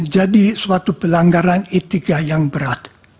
jadi suatu pelanggaran etika yang berat